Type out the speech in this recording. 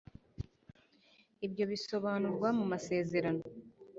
ibyo bisobanurwa mu masezerano